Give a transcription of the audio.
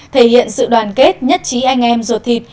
thể hiện sự đoàn kết nhất trí anh em ruột thịt